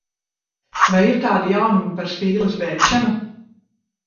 Vai ir kādi jaunumi par Spīles bēgšanu?